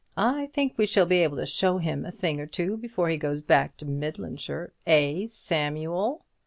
"I think we shall be able to show him a thing or two before he goes back to Midlandshire, eh, Samuel?"